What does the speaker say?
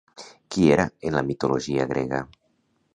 Qui era en la mitologia grega?